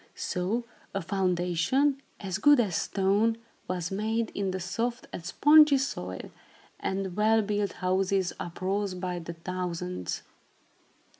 So a foundation, as good as stone, was made in the soft and spongy soil, and well built houses uprose by the thousands.